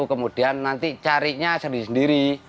kemudian nanti carinya sendiri sendiri